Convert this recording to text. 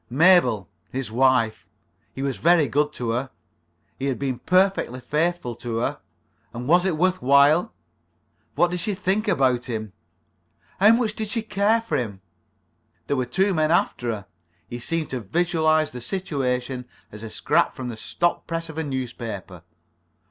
Mabel. His wife. He was very good to her. He had been perfectly faithful to her. And was it worth while? What did she think about him? How much did she care for him? There were two men after her. He seemed to visualize the situation as a scrap from the stop press of a newspaper.